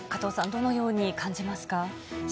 どのように感じますか。